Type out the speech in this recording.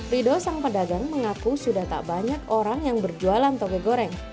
rido sang pedagang mengaku sudah tak banyak orang yang berjualan toge goreng